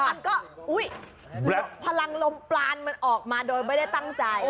มันก็อุ๊ยพลังลมปลานมันออกมาโดยไม่ได้ตั้งใจ